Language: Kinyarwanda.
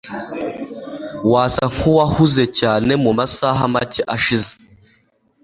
Wasa nkuwahuze cyane mumasaha make ashize.